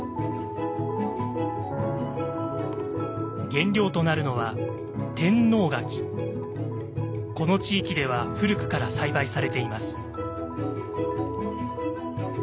原料となるのはこの地域では古くから栽培されています。